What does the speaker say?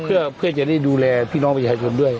เพื่อจะได้ดูแลพี่น้องประชาชนด้วย